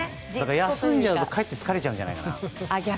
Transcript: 休んじゃうと、かえって疲れちゃうんじゃないかな。